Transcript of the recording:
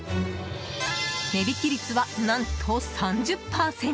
値引き率は何と３０％。